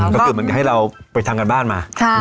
ก็คือมันให้เราไปทำการบ้านมา